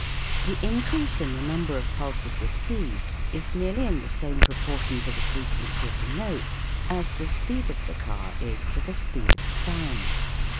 The increase in the number of pulses received is nearly in the same SOUNDS OF THE TOWN 79 proportion to the frequency of the note as the speed of the car is to the speed of sound.